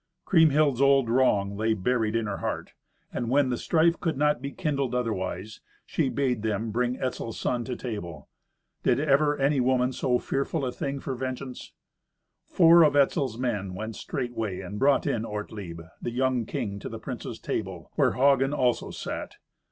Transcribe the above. Kriemhild's old wrong lay buried in her heart, and when the strife could not be kindled otherwise, she bade them bring Etzel's son to table. Did ever any woman so fearful a thing for vengeance? Four of Etzel's men went straightway and brought in Ortlieb, the young king, to the princes' table, where Hagen also sat.